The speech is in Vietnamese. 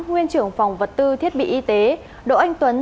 nguyên trưởng phòng vật tư thiết bị y tế đỗ anh tuấn